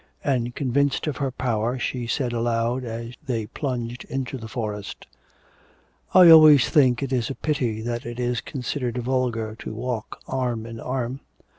And convinced of her power she said aloud, as they plunged into the forest: 'I always think it is a pity that it is considered vulgar to walk arm in arm.